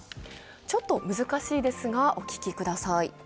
ちょっと難しいですがお聞きください。